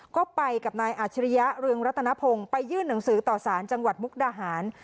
ก็ไปกับนายอาจริยะเรืองรัตนพงศ์ไปยื่นหนังสือต่อสารจังหวัดมุกดาหาร